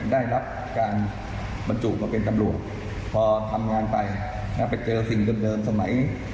ได้รับการบรรจุมาเป็นตำรวจพอทำงานไปไปเจอสิ่งเดิมสมัย